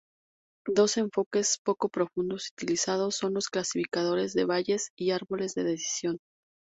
Dos enfoques poco profundos utilizados son los clasificadores de Bayes y árboles de decisión.